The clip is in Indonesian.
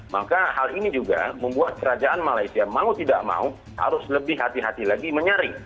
maka hal ini juga membuat kerajaan malaysia mau tidak mau harus lebih hati hati lagi menyaring